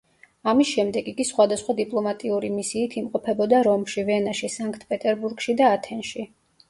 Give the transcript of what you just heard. ამის შემდეგ, იგი სხვადასხვა დიპლომატიური მისიით იმყოფებოდა რომში, ვენაში, სანქტ-პეტერბურგში და ათენში.